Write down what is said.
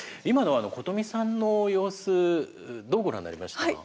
今のことみさんの様子どうご覧になりましたか？